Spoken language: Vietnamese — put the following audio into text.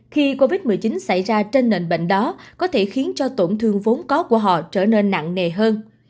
khi covid một mươi chín xảy ra trên nền bệnh đó có thể khiến cho tổn thương vốn có của họ trở nên nặng nề hơn